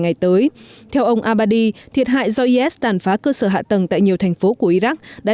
ngày tới theo ông abadi thiệt hại do is tàn phá cơ sở hạ tầng tại nhiều thành phố của iraq đã